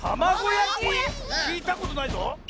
きいたことないぞ！